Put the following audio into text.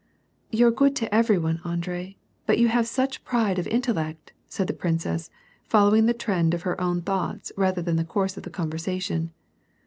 "You're good to every one, Andre, but you have such pride of intellect," said the princess, following the trend of her own thoughts rather than the course of the conversation.